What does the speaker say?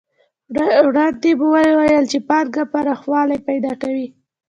وړاندې مو وویل چې پانګه پراخوالی پیدا کوي